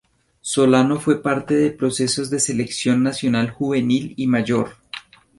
Solano fue parte de procesos de Selección nacional Juvenil y Mayor.